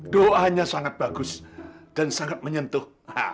doanya sangat bagus dan sangat menyentuh